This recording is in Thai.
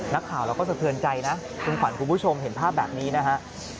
นักข่าวเราก็สะเทือนใจนะคุณขวัญคุณผู้ชมเห็นภาพแบบนี้นะฮะ